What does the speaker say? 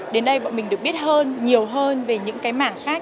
đến đây bọn mình được biết hơn nhiều hơn về những cái mảng khác